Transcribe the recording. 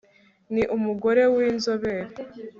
Ni umugore winzobere